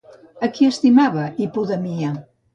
A qui estimava Hipodamia?